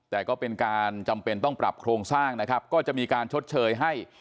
แต่ก็เป็นการจำเป็นต้องปรับโครงสร้างนะครับก็จะมีการชดเชยให้